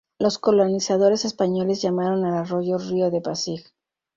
Los colonizadores españoles llamaron al arroyo "Río de Pasig".